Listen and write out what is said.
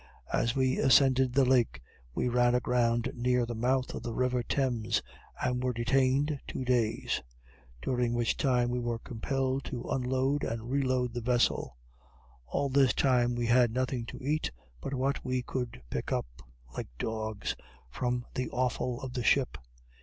As we ascended the lake, we ran aground near the mouth of the river Thames, and were detained two days; during which time we were compelled to unload and reload the vessel. All this time we had nothing to eat but what we could pick up, like dogs, from the offal of the ship.